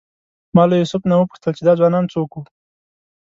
ما له یوسف نه وپوښتل چې دا ځوانان څوک وو.